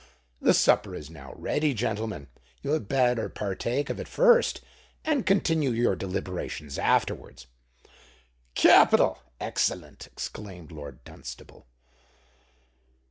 The supper is now ready, gentlemen: you had better partake of it first, and continue your deliberations afterwards.'" "Capital—excellent!" exclaimed Lord Dunstable.